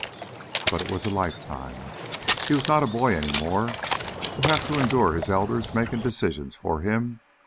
But it was a lifetime. He was not a boy any more, to have to endure his elders making decisions for him.